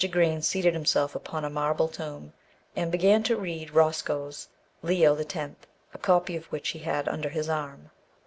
Green seated himself upon a marble tomb, and began to read Roscoe's Leo X., a copy of which he had under his arm.